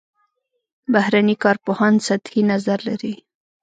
بهرني کارپوهان سطحي نظر لري.